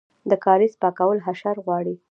د کاریز پاکول حشر غواړي؟